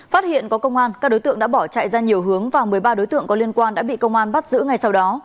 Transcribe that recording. phát hiện có công an các đối tượng đã bỏ chạy ra nhiều hướng và một mươi ba đối tượng có liên quan đã bị công an bắt giữ ngay sau đó